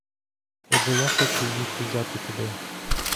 Отже, я хочу їх узяти туди.